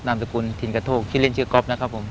มสกุลทินกระโทกชื่อเล่นชื่อก๊อฟนะครับผม